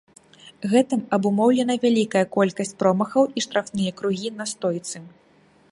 Гэтым абумоўлена вялікая колькасць промахаў і штрафныя кругі на стойцы.